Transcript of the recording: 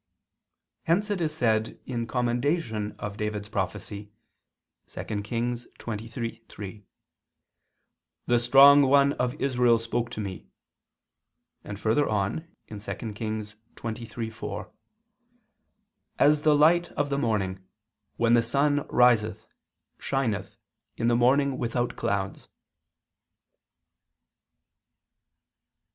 Hence it is said in commendation of David's prophecy (2 Kings 23:3): "The strong one of Israel spoke to me," and further on (2 Kings 23:4): "As the light of the morning, when the sun riseth, shineth in the morning without clouds."